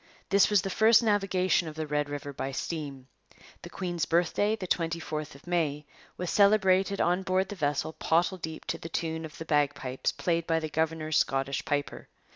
This was the first navigation of the Red River by steam. The Queen's Birthday, the 24th of May, was celebrated on board the vessel pottle deep to the tune of the bagpipes played by the governor's Scottish piper.